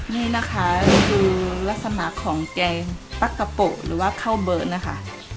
นี่นะคะคือลักษณะของแกงปั๊กกะโปะหรือว่าข้าวเบอร์นะคะ